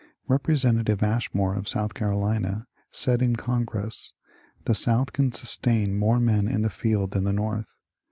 Representative Ashmore of South Carolina said in Con gress :'* The South can sustain more men in the field than the North.